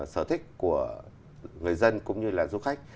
sở thích của người dân cũng như là du khách